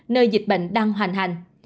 nơi dịch bệnh đang hoàn hành